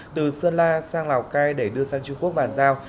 từ sơn la sang lào cai để đưa sang trung quốc bàn giao